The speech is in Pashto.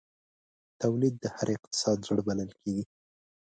تولید د هر اقتصاد زړه بلل کېږي.